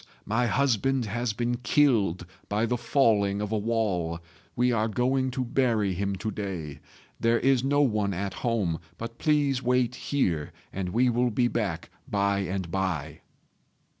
my husband has been killed by the falling of a wall. We are going to bury him to day. There is no one at home; but please wait here, and we will be back by and by."